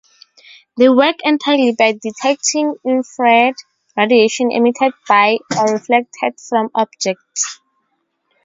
They work entirely by detecting infrared radiation emitted by or reflected from objects.